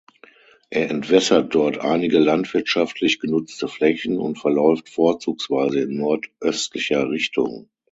Er entwässert dort einige landwirtschaftlich genutzte Flächen und verläuft vorzugsweise in nordöstlicher Richtung.